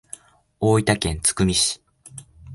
大分県津久見市